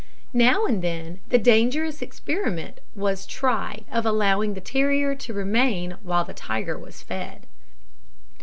Now and then the dangerous experiment was tried of allowing the terrier to remain while the tiger was fed.